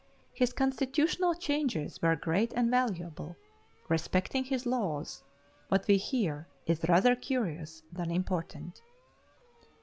His constitutional changes were great and valuable: respecting his laws, what we hear is rather curious than important.